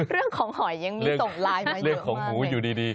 เรื่องของหอยยังมีส่งไลน์มาเลยเรื่องของหมูอยู่ดี